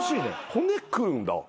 骨食うんだ。